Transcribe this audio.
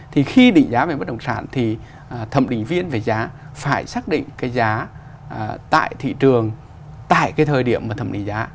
thì khi định giá về bất động sản thì thẩm định viên về giá phải xác định cái giá tại thị trường tại cái thời điểm mà thẩm định giá